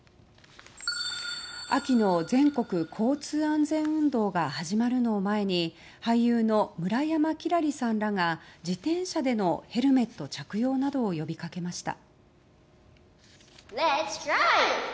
秋の全国交通安全運動が始まるのを前に俳優の村山輝星さんらが自転車でのヘルメット着用などを呼びかけました。